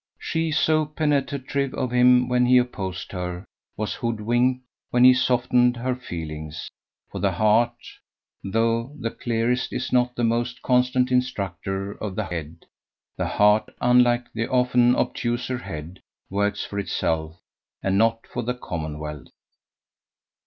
She, so penetrative of him when he opposed her, was hoodwinked when he softened her feelings: for the heart, though the clearest, is not the most constant instructor of the head; the heart, unlike the often obtuser head, works for itself and not for the commonwealth.